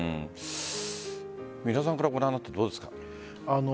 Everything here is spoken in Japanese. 三浦さんからご覧になっていかがですか？